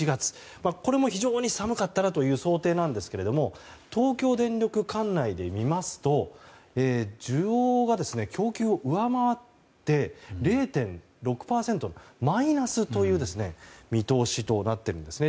これも非常に寒かったらという想定なんですが東京電力管内で見ますと需要が供給を上回って、０．６％マイナスの見通しとなっているんです。